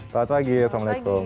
selamat pagi assalamualaikum